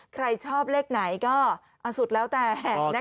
ใครชอบเลขไหนก็อันสุดแล้วแต่นะคะ